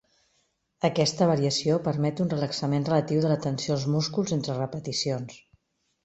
Aquesta variació permet un relaxament relatiu de la tensió als músculs entre repeticions.